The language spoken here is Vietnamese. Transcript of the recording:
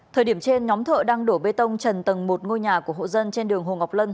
thời điểm trên nhóm thợ đang đổ bê tông trần tầng một ngôi nhà của hộ dân trên đường hồ ngọc lân